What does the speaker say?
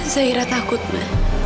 zairah takut ma